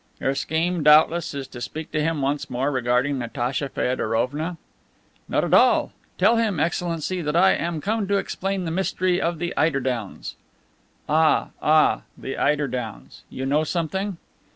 "Your scheme, doubtless, is to speak to him once more regarding Natacha Feodorovna?" "Not at all. Tell him, Excellency, that I am come to explain the mystery of the eider downs." "Ah, ah, the eider downs! You know something?"